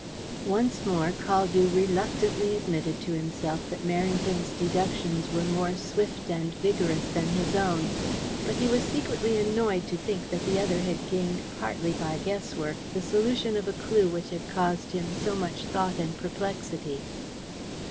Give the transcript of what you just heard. '" Once more Caldew reluctantly admitted to himself that Merrington's deductions were more swift and vigorous than his own, but he was secretly annoyed to think that the other had gained partly by guesswork the solution of a clue which had caused him so much thought and perplexity.